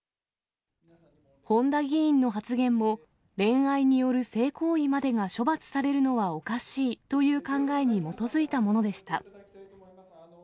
本多議員の発言も、恋愛による性行為までが処罰されるのはおかしいという考えに基づいたものでした。